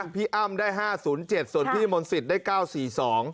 พี่อ้ำได้๕๐๗ส่วนพี่มนต์ศิษย์ได้๙๔๒